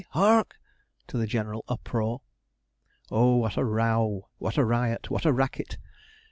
'Hark' to the general uproar. Oh, what a row, what a riot, what a racket!